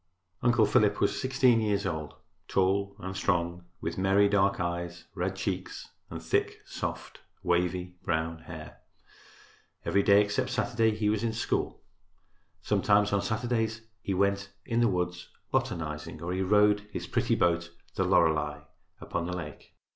Uncle Philip was 16 years old, tall and strong, with merry dark eyes, red cheeks and thick, soft, wavy, brown hair. Every day except Saturday he was in school. Sometimes on Saturdays he went in the woods botanizing or he rowed his pretty boat, "The Lorelei," upon the lake.